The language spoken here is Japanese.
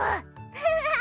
ハハハ